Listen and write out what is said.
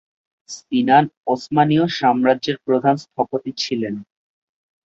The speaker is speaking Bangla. সিনান ওসমানীয় সাম্রাজ্যের প্রধান স্থপতি ছিলেন।